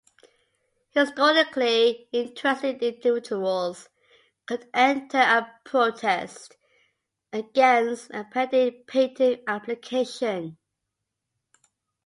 Historically, interested individuals could enter a "protest" against a pending patent application.